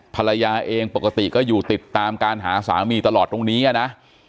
ภรรยาเองปกติก็อยู่ติดตามการหาสามีตลอดตรงนี้นะ